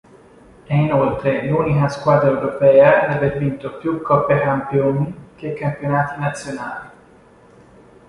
È inoltre l'unica squadra europea ad aver vinto più Coppe Campioni che campionati nazionali.